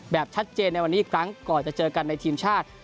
แบบชัดเจนในวันนี้อีกครั้งก่อนจะเจอกันในทีมชาติ